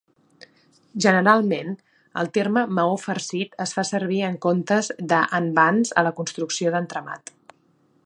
Generalment, el terme "maó farcit" es fa servir en comptes de envans a la construcció d'entramat.